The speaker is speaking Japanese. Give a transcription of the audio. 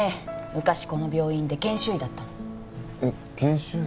昔この病院で研修医だったのえっ研修医？